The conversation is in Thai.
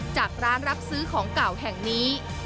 จากร้านรับซื้อของเก่าแห่งนี้